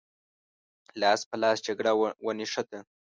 لاس په لاس جګړه ونښته.